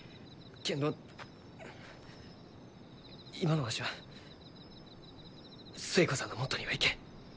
けんど今のわしは寿恵子さんのもとには行けん。